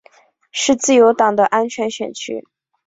是自由党的安全选区。